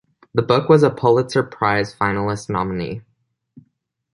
The book was a Pulitzer Prize finalist nominee.